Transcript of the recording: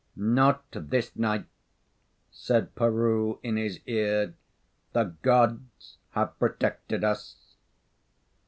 "Not this night," said Peroo, in his ear. "The Gods have protected us."